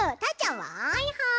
はいはい。